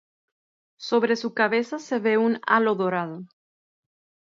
Sobre su cabeza se ve un halo dorado.